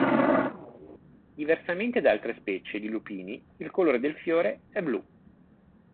Diversamente da altre specie di lupini, il colore del fiore è blu.